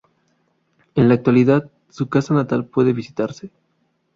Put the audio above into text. En la actualidad, su casa natal puede visitarse.